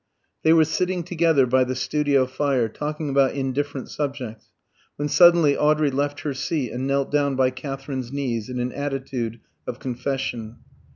They were sitting together by the studio fire, talking about indifferent subjects, when suddenly Audrey left her seat and knelt down by Katherine's knees in at attitude of confession.